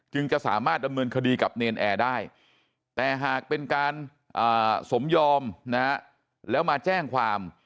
จะสามารถดำเนินคดีกับเนรนแอร์ได้แต่หากเป็นการสมยอมนะแล้วมาแจ้งความ